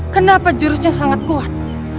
kenapa jurusnya sangat kuat